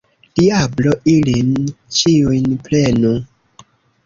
Diablo ilin ĉiujn prenu!